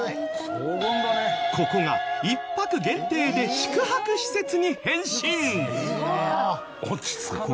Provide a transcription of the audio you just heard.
ここが１泊限定で宿泊施設に変身！